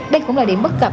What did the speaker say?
đây cũng là điểm bất cập